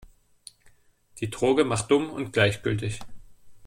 Die Droge macht dumm und gleichgültig.